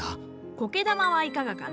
苔玉はいかがかな？